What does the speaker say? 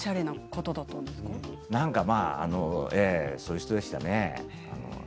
ええ、なんかそういう人でしたね。